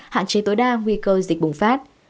hạn chế tối đa nguy cơ dịch bùng phát